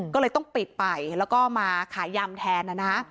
ก็เลยต้องปิดไปแล้วก็มาขายยำแทนนะนะ